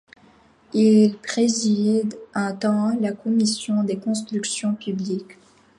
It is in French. Il préside un temps la Commission des constructions publiques.